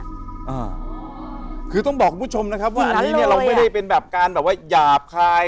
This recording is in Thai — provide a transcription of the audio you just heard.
อ่าคือต้องบอกคุณผู้ชมนะครับว่าอันนี้เนี้ยเราไม่ได้เป็นแบบการแบบว่าหยาบคาย